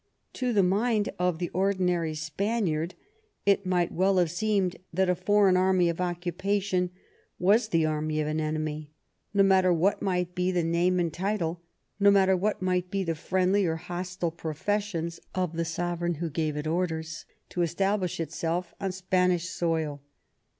To the mind of the ordi nary Spaniard it might well have seemed that a foreign army of occupation was the army of an enemy, no matter what might be the name and title, no matter what might be the friendly or hostile {Professions of the sovereign who gave it orders to establish itself on Spanish soil.